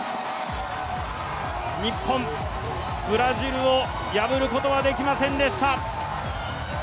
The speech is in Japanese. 日本、ブラジルを破ることはできませんでした。